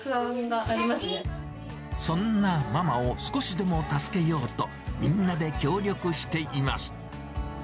そんなママを少しでも助けようと、みんなで協力しています。